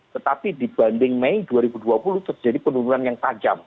tetapi dibanding mei dua ribu dua puluh terjadi penurunan yang tajam